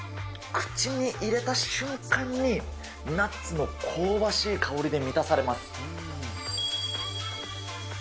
口に入れた瞬間に、ナッツの香ばしい香りで満たされます。